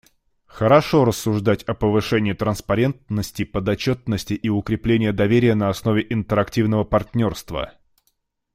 Хорошо рассуждать о повышении транспарентности, подотчетности и укреплении доверия на основе интерактивного партнерства.